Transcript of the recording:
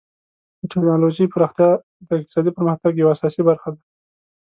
د ټکنالوژۍ پراختیا د اقتصادي پرمختګ یوه اساسي برخه ده.